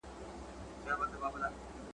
او ویل یې چي د جوزجان ولایت !.